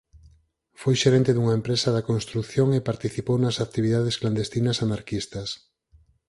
Foi xerente dunha empresa da construción e participou nas actividades clandestinas anarquistas.